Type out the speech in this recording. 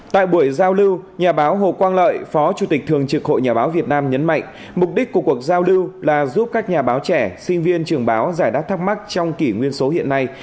tại buổi giao lưu nhà báo hồ quang lợi phó chủ tịch thường trực hội nhà báo việt nam nhấn mạnh mục đích của cuộc giao lưu là giúp các nhà báo trẻ sinh viên trường báo giải đáp thắc mắc trong kỷ nguyên số hiện nay